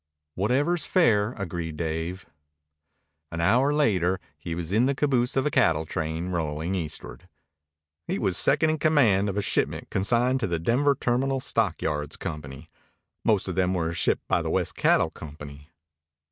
"Whatever's fair," agreed Dave. An hour later he was in the caboose of a cattle train rolling eastward. He was second in command of a shipment consigned to the Denver Terminal Stockyards Company. Most of them were shipped by the West Cattle Company.